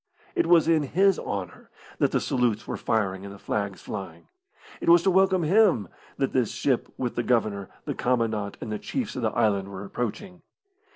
It was in his honour that the salutes were firing and the flags flying. It was to welcome him that this ship with the Governor, the commandant, and the chiefs of the island were approaching.